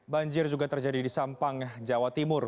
banjir juga terjadi di sampang jawa timur